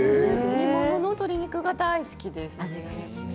煮た鶏肉が大好きです。